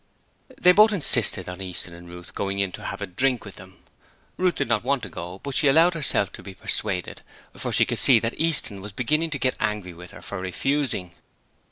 They both insisted on Easton and Ruth going in to have a drink with them. Ruth did not want to go, but she allowed herself to be persuaded for she could see that Easton was beginning to get angry with her for refusing.